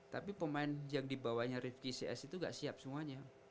tapi pemain yang dibawanya rifki cs itu gak siap semuanya